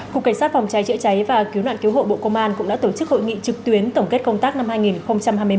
cục cảnh sát phòng cháy chữa cháy và cứu nạn cứu hộ bộ công an cũng đã tổ chức hội nghị trực tuyến tổng kết công tác năm hai nghìn hai mươi ba